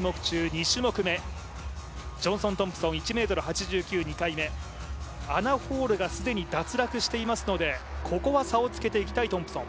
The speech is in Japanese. ２種目、ジョンソン・トンプソン、１ｍ８９、２回目、アナ・ホールが既に脱落していますのでここは差をつけていきたいトンプソン。